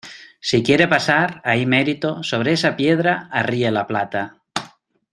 si quiere pasar, ahí merito , sobre esa piedra , arríe la plata.